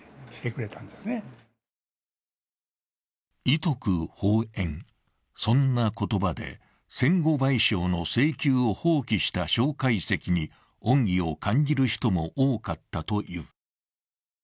以徳報怨、そんな言葉で戦後賠償の請求を放棄した蒋介石に恩義を感じる人も多かったという。